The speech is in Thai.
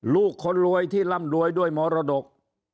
ลูกคนรวยที่ร่ำรวยด้วยมรดก